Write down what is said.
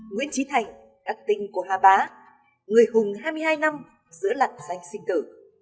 nguyễn trí thành đắc tinh của hà bá người hùng hai mươi hai năm giữa lặn danh sinh tử